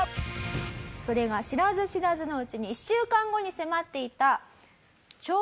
それが知らず知らずのうちに１週間後に迫っていた。